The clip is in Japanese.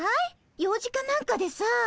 用事かなんかでさ。